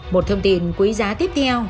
một thông tin quý giá tiếp theo